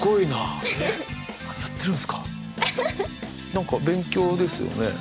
何か勉強ですよね？